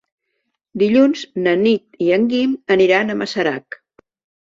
Dilluns na Nit i en Guim aniran a Masarac.